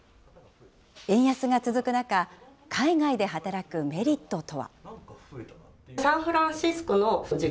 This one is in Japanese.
円安が続く中、海外で働くメリットとは。